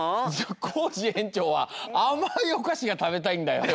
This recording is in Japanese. コージ園長はあまいおかしがたべたいんだよ。